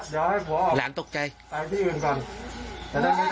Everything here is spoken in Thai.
เดี๋ยวให้ผัวออกไปที่อื่นก่อนจะได้ไม่ด่ากัน